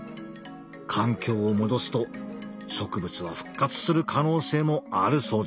環境を戻すと植物は復活する可能性もあるそうです。